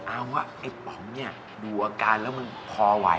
เอาว่าไอ้ป๋องเนี่ยดูอาการแล้วมันพอไหว